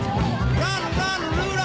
やった！